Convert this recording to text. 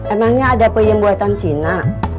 emangnya ada peyem buatan cina